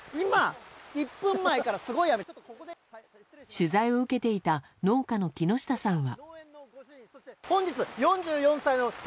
取材を受けていた農家の木下さんは。